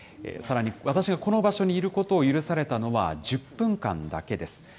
さらに、私がこの場所にいることを許されたのは１０分間だけです。